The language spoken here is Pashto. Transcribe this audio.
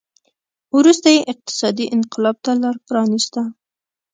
وروسته یې اقتصادي انقلاب ته لار پرانېسته.